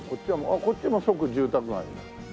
こっちもう即住宅街。